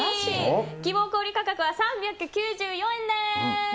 希望小売価格は３９４円です。